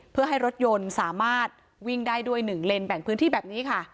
เพื่อให้รถยนต์สามารถวิ่งได้ด้วย๑เลนแบ่งพื้นที่แบบนี้ค่ะ